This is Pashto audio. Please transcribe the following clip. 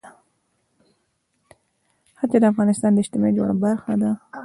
ښتې د افغانستان د اجتماعي جوړښت برخه ده.